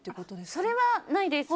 それはないです。